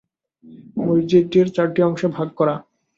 মসজিদটির চারটি অংশে ভাগ করা।